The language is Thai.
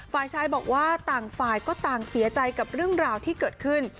ฝ่ายชายบอกว่าต่างฝ่ายก็ต่างเสียใจกับเรื่องราวที่เกิดขึ้น